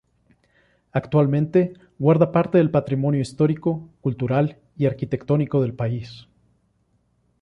Actualmente guarda parte del patrimonio histórico, cultural y arquitectónico del país.